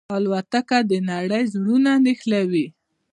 الوتکه د نړۍ زړونه نښلوي.